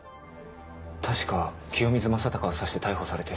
確か清水将貴を刺して逮捕されて。